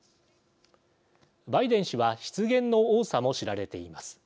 バイデン氏は失言の多さも知られています。